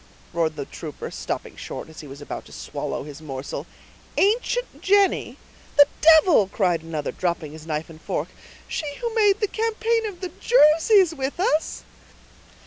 roared the trooper, stopping short as he was about to swallow his morsel, "ancient Jenny!" "The devil!" cried another, dropping his knife and fork, "she who made the campaign of the Jerseys with us?"